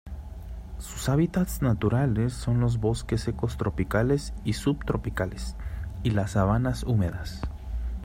Sus hábitats naturales son los bosques secos tropicales y subtropicales, y las sabanas húmedas.